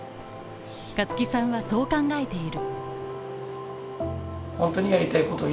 香月さんはそう考えている。